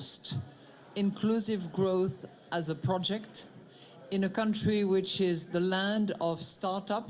pembangunan inklusif sebagai proyek di negara yang adalah tanah startup